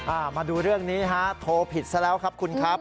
มาดูเรื่องนี้ฮะโทรผิดซะแล้วครับคุณครับ